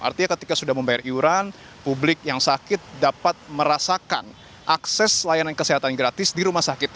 artinya ketika sudah membayar iuran publik yang sakit dapat merasakan akses layanan kesehatan gratis di rumah sakit